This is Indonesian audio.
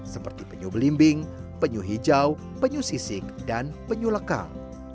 seperti penyu belimbing penyu hijau penyu sisik dan penyu lekang